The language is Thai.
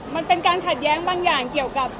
มันเป็นการขัดแย้งบางอย่างเกี่ยวกับ